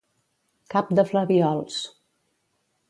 Cap de flabiols.